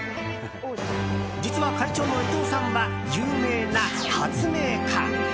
実は会長の伊藤さんは有名な発明家。